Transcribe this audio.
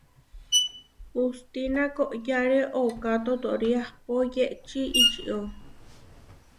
Hustína koʼyáre ooká totóri ahpó yečí ičió.